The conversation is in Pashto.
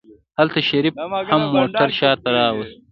هلته شريف هم موټر شاته راوست.